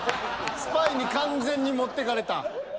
スパイに完全に持ってかれた。